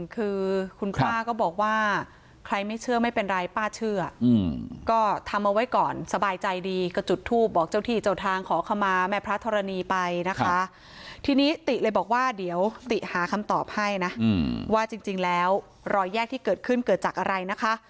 คือคุณป้าก็บอกว่าใครไม่เชื่อไม่เป็นไรป้าเชื่อก็ทำเอาไว้ก่อนสบายใจดีก็จุดทูปบอกเจ้าที่เจ้าทางขอขมาแม่พระธรณีไปนะคะทีนี้ติเลยบอกว่าเดี๋ยวติหาคำตอบให้นะว่าจริงแล้วรอยแยกที่เกิดขึ้นเกิดจากอะไรนะคะ